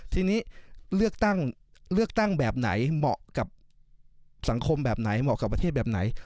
ทีนี้เลือกตั้งเลือกตั้งแบบไหนเหมาะกับสังคมแบบไหนเหมาะกับประเทศแบบไหน